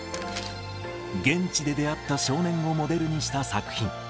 現地で出会った少年をモデルにした作品。